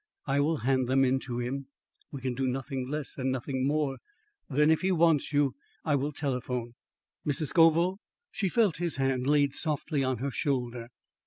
"I will hand them in to him. We can do nothing less and nothing more. Then if he wants you, I will telephone." "Mrs. Scoville?" She felt his hand laid softly on her shoulder.